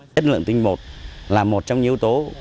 chất lượng tinh bột là một trong những yếu tố